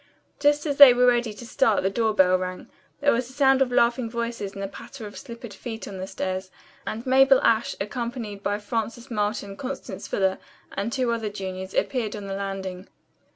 Just as they were ready to start the door bell rang. There was a sound of laughing voices and the patter of slippered feet on the stairs, and Mabel Ashe, accompanied by Frances Marlton, Constance Fuller, and two other juniors, appeared on the landing.